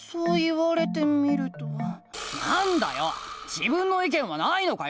自分の意見はないのかよ！